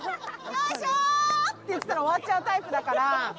よいしょ！って言ってたら終わっちゃうタイプだから。